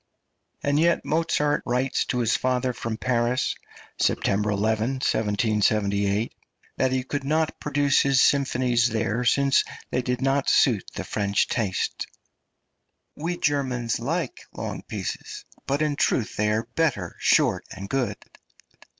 And yet Mozart writes to his father from Paris (September 11, 1778) that he could not produce his symphonies there, since they did not suit the French taste: "We Germans like long pieces, but in truth they are better short and good."